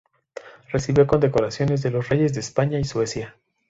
Recibió condecoraciones de los reyes de España y Suecia.